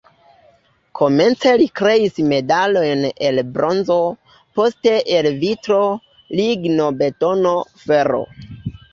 Komence li kreis medalojn el bronzo, poste el vitro, ligno, betono, fero.